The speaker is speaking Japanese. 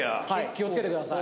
気を付けてください。